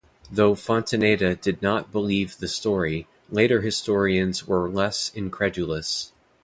Though Fontaneda did not believe the story, later historians were less incredulous.